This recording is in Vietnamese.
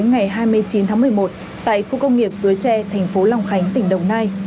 hai mươi một giờ tối ngày hai mươi chín tháng một mươi một tại khu công nghiệp suối tre thành phố long khánh tỉnh đồng nai